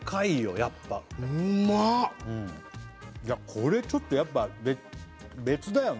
やっぱいやこれちょっとやっぱ別だよね